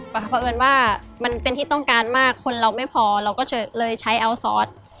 เพราะเอิญว่ามันเป็นที่ต้องการมากคนเราไม่พอเราก็เลยใช้อัลซอส